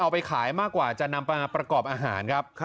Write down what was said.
ไปขายมากกว่าจะนำไปประกอบอาหารครับ